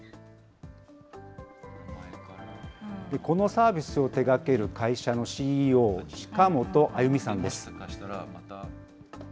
このサービスを手がける会社のＣＥＯ、近本あゆみさんです。